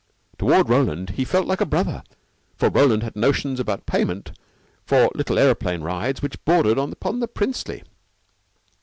Toward Roland he felt like a brother, for Roland had notions about payment for little aeroplane rides which bordered upon the princely.